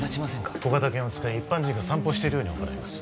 小型犬を使い一般人が散歩してるように行います